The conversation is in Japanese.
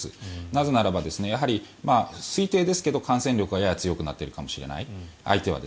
なぜならば、推定ですけれど感染力がやや強くなっているかもしれない相手は。